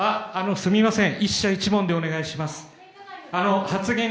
すみません。